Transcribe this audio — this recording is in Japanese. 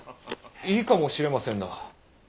いいかもしれませんな。